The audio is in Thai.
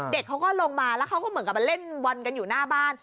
เด็กเขาก็ลงมาแล้วเขาก็เหมือนกับมาเล่นบอลกันอยู่หน้าบ้าน